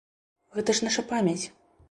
Гэта ж наша памяць!